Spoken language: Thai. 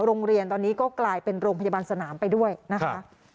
โรงเรียนตอนนี้ก็กลายเป็นโรงพยาบาลสนามไปด้วยนะคะ